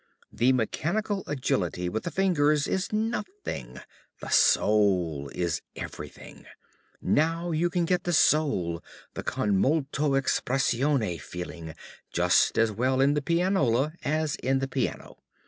The mechanical agility with the fingers is nothing, the soul is everything. Now you can get the soul, the con molto expressione feeling, just as well in the pianola as in the piano.